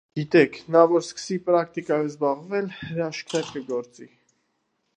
Գիտեք, նա որ սկսի պրակտիկայով զբաղվել, հրաշքներ կգործի: